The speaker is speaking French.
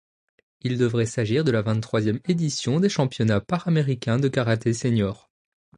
Il devrait s'agir de la vingt-troisième édition des championnats panaméricains de karaté seniors.